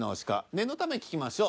念のため聞きましょう。